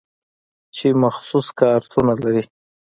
چې مخصوص کارتونه لري.